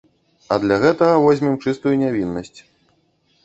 А для гэтага возьмем чыстую нявіннасць.